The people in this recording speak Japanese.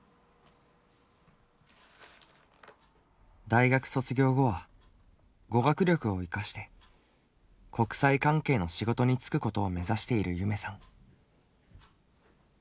大学卒業後は語学力を生かして国際関係の仕事に就くことを目指している夢さん。